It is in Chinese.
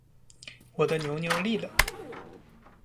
我的牛牛立了